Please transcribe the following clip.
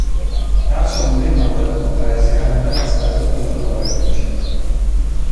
بخش عمدهی مواد مغذی عملا از غذا بیرون آورده میشود.